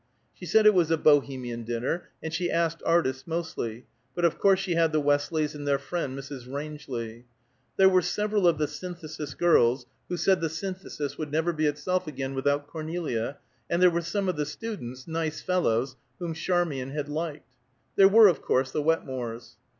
She said it was a Bohemian dinner, and she asked artists, mostly; but of course she had the Westleys and their friend Mrs. Rangeley. There were several of the Synthesis girls, who said the Synthesis would never be itself again without Cornelia, and there were some of the students, nice fellows, whom Charmian had liked; there were, of course, the Wetmores.